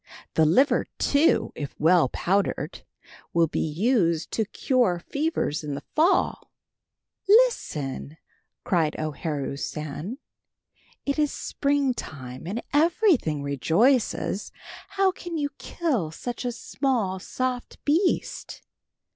"The liver, too, if well powdered, will be used to cure fevers in the fall." "Listen," cried O Haru San, "It is springtime, and everything rejoices. How can you kill such a small soft beast?